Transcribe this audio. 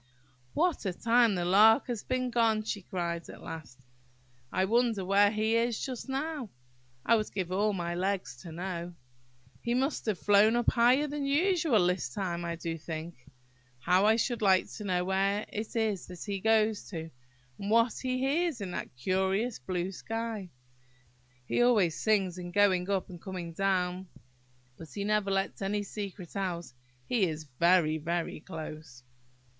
"What a time the Lark has been gone!" she cried, at last. "I wonder where he is just now! I would give all my legs to know! He must have flown up higher than usual this time, I do think! How I should like to know where it is that he goes to, and what he hears in that curious blue sky! He always sings in going up and coming down, but he never lets any secret out. He is very, very close!"